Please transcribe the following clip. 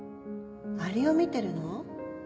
アリを見てるの？